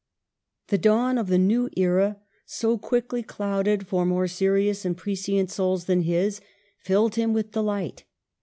The dawn of the new era — so quickly clouded for more serious and prescient souls than his — filled him with delight.